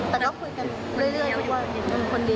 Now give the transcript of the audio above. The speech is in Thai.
แต่ก็คุยกันเรื่อยทุกวัน